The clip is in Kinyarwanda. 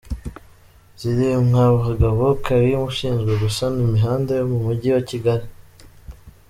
Zirimwabagabo Karim ushinzwe gusana imihanda yo mu mujyi wa Kigali.